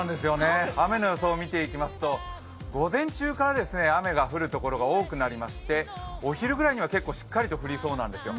雨の予想を見ていきますと午前中から雨が降る所が多くなりまして、お昼ぐらいには結構、しっかりと降りそうなんですよ。